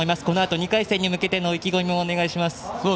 このあと２回戦に向けての意気込みもお願いします。